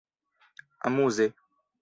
amuze